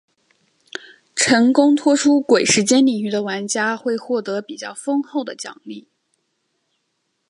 成功脱出鬼时间领域的玩家会获得比较丰厚的奖励。